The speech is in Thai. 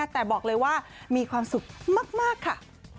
แต่บอกเลยว่ามีความสุขมากค่ะ